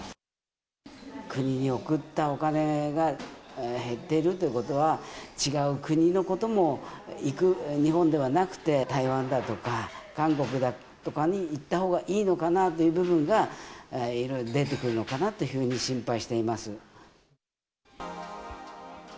国に送ったお金が減ってるってことは、違う国のことも、行く、日本ではなくて、台湾だとか韓国だとかに行ったほうがいいのかなという部分が、いろいろ出てくるのかなというふうに心配しています。